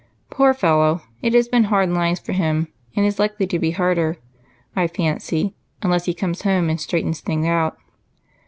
Poor fellow, it has been hard lines for him, and is likely to be harder, I fancy, unless he comes home and straightens things out."